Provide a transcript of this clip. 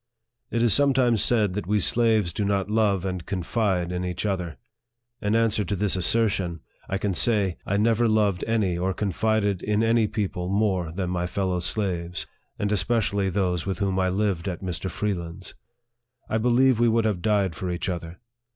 It is sometimes said that we slaves do not love and con fide in each other. In answer to this assertion, I can say, I never loved any or confided in any people more than my fellow slaves, and especially those with whom I lived at Mr. Freeland's. I believe we would have died for each other.